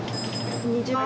こんにちは。